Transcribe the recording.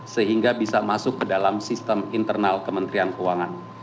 sehingga bisa masuk ke dalam sistem internal kementerian keuangan